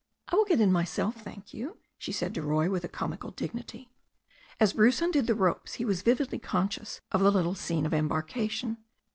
"I will get in myself, thank you," she said to Roy, with a comical dignity. As Bruce undid the ropes he was vividly conscious of the little scene of embarkation.